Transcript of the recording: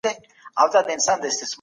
خپل مخ په پاکو اوبو غسل ورکوئ.